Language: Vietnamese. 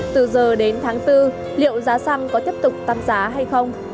từ giờ đến tháng bốn liệu giá xăng có tiếp tục tăng giá hay không